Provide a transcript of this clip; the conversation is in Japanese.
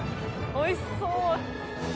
おいしそう！